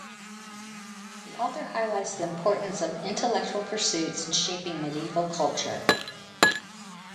The author highlights the importance of intellectual pursuits in shaping medieval culture.